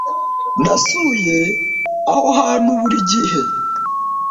Nasuye aho hantu buri gihe.